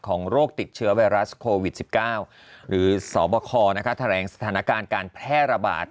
โรคติดเชื้อไวรัสโควิด๑๙หรือสบคแถลงสถานการณ์การแพร่ระบาด